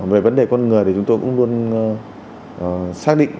về vấn đề con người thì chúng tôi cũng luôn xác định